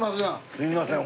すいません。